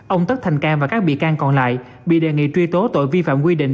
ông tất thành cang và các bị can còn lại bị đề nghị truy tố tội vi phạm quy định